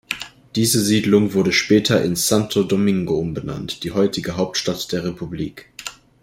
Diese Siedlung wurde später in „Santo Domingo“ umbenannt, die heutige Hauptstadt der Republik.